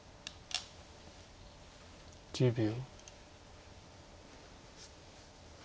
１０秒。